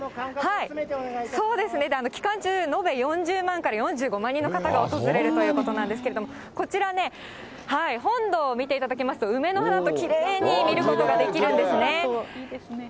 そうですね、期間中、延べ４０万から４５万人の方が訪れるということなんですけれども、こちらね、本堂を見ていただきますと、梅の花ときれいに見ることができるんですね。